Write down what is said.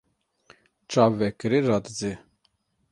Çav vekirî radizê.